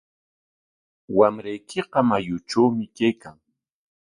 Wamraykiqa mayutrawmi kaykan.